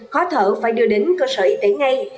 khó thở phải đưa đến cơ sở y tế ngay